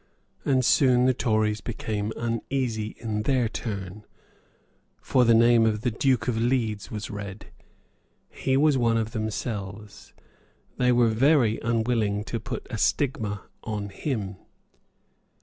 And soon the Tories became uneasy in their turn; for the name of the Duke of Leeds was read. He was one of themselves. They were very unwilling to put a stigma on him.